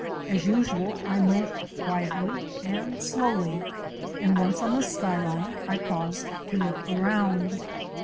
As usual I moved quietly and slowly, and once on the skyline I paused to look around.